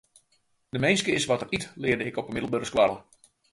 De minske is wat er yt, learde ik op 'e middelbere skoalle.